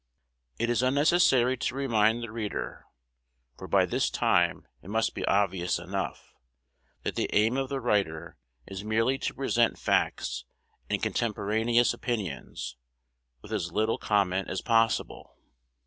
It is unnecessary to remind the reader (for by this time it must be obvious enough) that the aim of the writer is merely to present facts and contemporaneous opinions, with as little comment as possible.